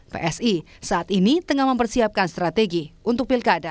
psi saat ini tengah mempersiapkan strategi untuk pilkada